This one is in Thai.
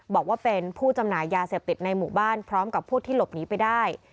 บอกว่าเป็นผู้จำหน่ายยาเสพติดในหมู่บ้านพร้อมกับผู้ที่หลบหนีไปได้